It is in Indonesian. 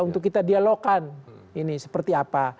untuk kita dialogkan ini seperti apa